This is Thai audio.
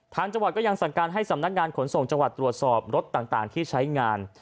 ทางจังหวัดก็ยังสั่งการให้สำนักงานขนส่งจังหวัดตรวจสอบรถต่างที่ใช้งาน